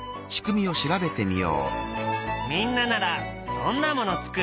みんなならどんなもの作る？